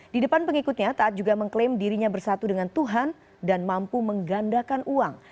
di depan pengikutnya taat juga mengklaim dirinya bersatu dengan tuhan dan mampu menggandakan uang